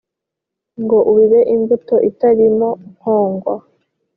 ngo ubibe imbuto itarimo nkongwa